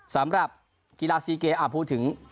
สำหรับกีฬาซีเกมพูดถึง